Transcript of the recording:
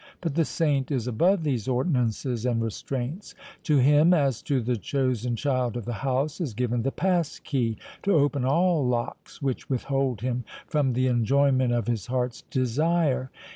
But the saint is above these ordinances and restraints.—To him, as to the chosen child of the house, is given the pass key to open all locks which withhold him from the enjoyment of his heart's desire.